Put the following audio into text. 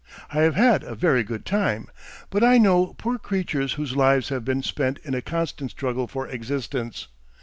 I have had a very good time, but I know poor creatures whose lives have been spent in a constant struggle for existence.